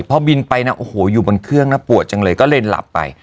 พอบินไปนะโอ้โหอยู่บนเครื่องนะปวดจังเลยก็เลยหลับไป